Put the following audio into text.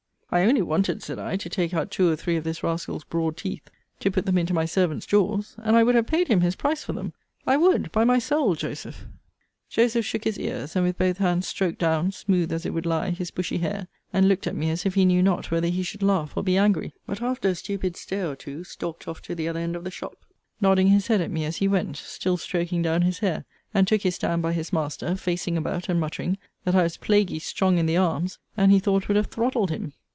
I only wanted, said I, to take out two or three of this rascal's broad teeth, to put them into my servant's jaws and I would have paid him his price for them. I would by my soul, Joseph. Joseph shook his ears; and with both hands stroked down, smooth as it would lie, his bushy hair; and looked at me as if he knew not whether he should laugh or be angry: but, after a stupid stare or two, stalked off to the other end of the shop, nodding his head at me as he went, still stroking down his hair; and took his stand by his master, facing about and muttering, that I was plaguy strong in the arms, and he thought would have throttled him.